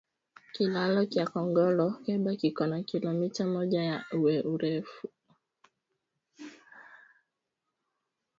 Kilalo kya kongolo keba kiko na kilometa moja ya urefu